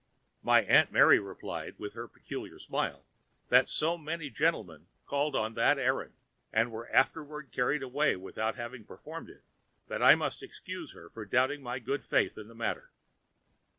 My aunt replied with her peculiar smile that so many gentlemen called on that errand and were afterward carried away without having performed it that I must excuse her for doubting my good faith in the matter.